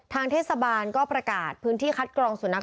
ทางเทศบาลก็ประกาศพื้นที่คัดกรองสุนัข